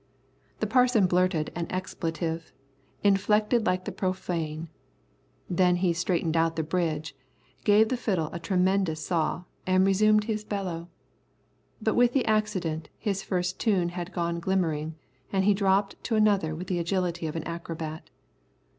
The Parson blurted an expletive, inflected like the profane. Then he straightened the bridge, gave the fiddle a tremendous saw, and resumed his bellow. But with the accident, his first tune had gone glimmering, and he dropped to another with the agility of an acrobat.